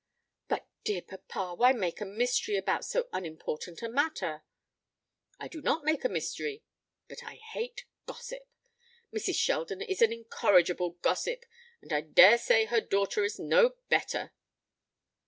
"But, dear papa, why make a mystery about so unimportant a matter. "I do not make a mystery; but I hate gossip. Mrs. Sheldon is an incorrigible gossip, and I daresay her daughter is no better."